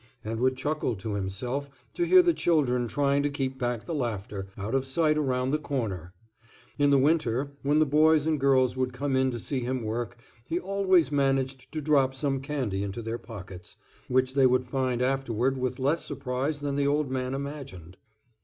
and would chuckle to himself to hear the children trying to keep back the laughter, out of sight around the corner. In the winter, when the boys and girls would come in to see him work, he always managed to drop some candy into their pockets, which they would find afterward with less surprise than the old man imagined.